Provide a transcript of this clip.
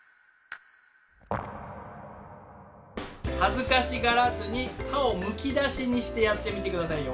恥ずかしがらずに歯をむき出しにしてやってみて下さいよ。